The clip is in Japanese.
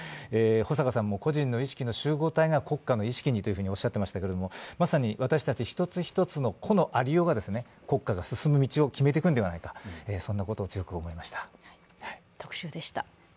保阪さんも個人の意識の集合体が国家の意識にとおっしゃっていましたけれどもまさに私たち一つ一つの個のありようが国家が進む道を決めていくんではないか、そんなことを強く思いました。